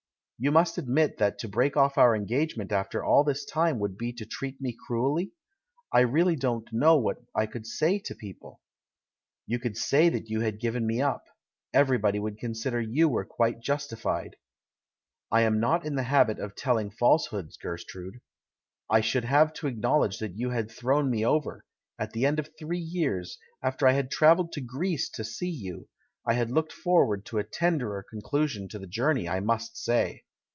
You must admit that to break off our engagement after all this time would be to treat me cruelly? I really don't know what I could say to people!" "You could say that you had given me up — everybody would consider you were quite justi fied." "I am not in the habit of telling falsehoods, Gertrude ; I should have to acknowledge that you had thrown me over — at the end of three years, after I had travelled to Greece to see you ; I had looked forward to a tenderer conclusion to the journey, I must say!"